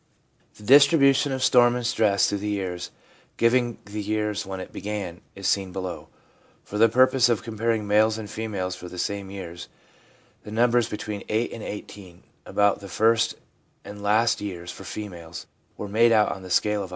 The distribution of storm and stress through the years, giving the years when it began, is seen below. For the purpose of comparing males and females for the same years, the numbers between 8 and 18 — about the first and last years for females — were made out on the scale of 100.